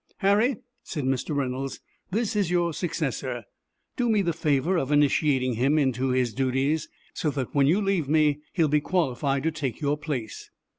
"Harry," said Mr. Reynolds, "this is your successor. Do me the favor of initiating him into his duties, so that when you leave me he will be qualified to take your place."